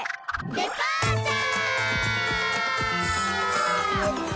デパーチャー！